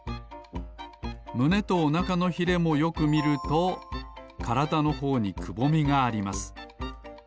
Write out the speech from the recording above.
むねとおなかのヒレもよくみるとからだのほうにくぼみがあります。